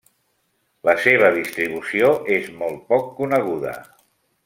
La seva distribució és molt poc coneguda.